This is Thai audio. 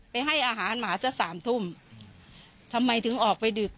ให้อาหารหมาสักสามทุ่มทำไมถึงออกไปดึก